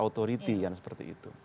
autority yang seperti itu